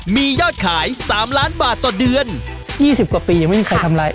มียอดขาย๓ล้านบาทต่อเดือน๒๐กว่าปียังไม่มีใครทำร้าย